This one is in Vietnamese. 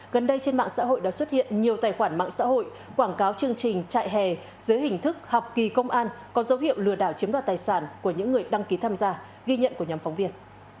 gần đây trên mạng xã hội đã xuất hiện nhiều tài khoản mạng xã hội quảng cáo chương trình trại hè dưới hình thức học kỳ công an có dấu hiệu lừa đảo chiếm đoạt tài sản của những người đăng ký tham gia ghi nhận của nhóm phóng viên